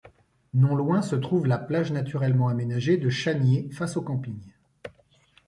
Non loin se trouve la plage naturellement aménagée de Chaniers, face au camping.